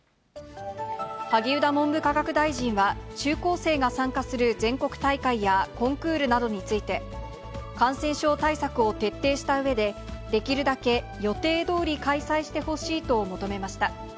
萩生田文部科学大臣は、中高生が参加する全国大会やコンクールなどについて、感染症対策を徹底したうえで、できるだけ予定どおり開催してほしいと求めました。